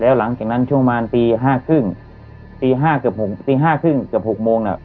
แล้วหลังจากนั้นช่วงมารปีห้าครึ่งปีห้าเกือบหกปีห้าครึ่งเกือบหกโมงน่ะ